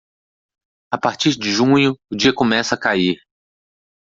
A partir de junho, o dia começa a cair.